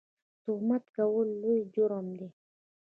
تهمت کول لوی جرم دی